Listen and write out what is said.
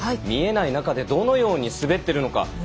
見えない中でどのように滑っているのか。